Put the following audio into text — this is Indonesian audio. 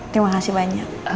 terima kasih banyak